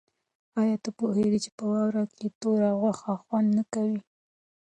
آیا ته پوهېږې چې په واوره کې توره غوښه خوند نه کوي؟